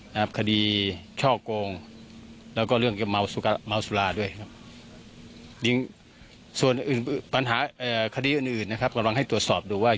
ที่นี่หมายจับก็คือเข้าหาฆ่าผู้อื่นและพยายามฆ่าผู้อื่น